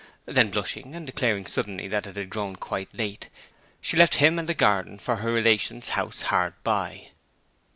Then blushing, and declaring suddenly that it had grown quite late, she left him and the garden for her relation's house hard by.